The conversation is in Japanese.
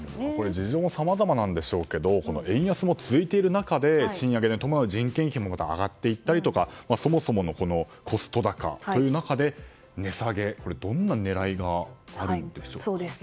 事情もさまざまなんでしょうけど円安も続いている中で賃上げに伴う人件費も上がっていったりとかそもそものコスト高という中で値下げ、どんな狙いがあるんでしょうか。